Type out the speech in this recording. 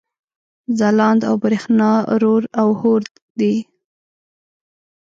ځلاند او برېښنا رور او حور دي